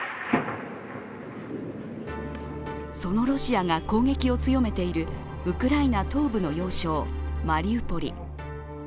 そのロシアが攻撃を強めているウクライナ東部の要衝マリウポリ。